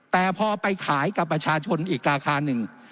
แต่พอไปขายกับประชาชนอีกราคาหนึ่ง